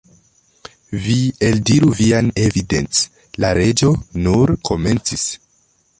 "Vi eldiru vian evidenc" la Reĝo nur komencis.